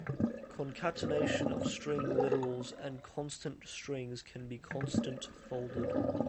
Concatenation of string literals and constant strings can be constant folded.